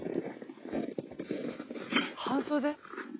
半袖！？